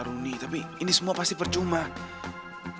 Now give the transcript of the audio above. buat tidak bisa untuk menjelaskan